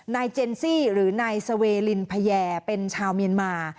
เจนซี่หรือนายสเวลินพญาเป็นชาวเมียนมา